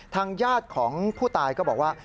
ทางญาติของผู้ตายก็บอกว่า